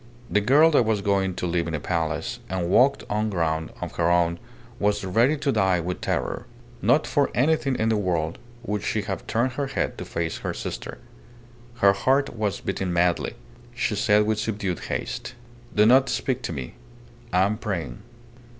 The girl that was going to live in a palace and walk on ground of her own was ready to die with terror. Not for anything in the world would she have turned her head to face her sister. Her heart was beating madly. She said with subdued haste "Do not speak to me. I am praying."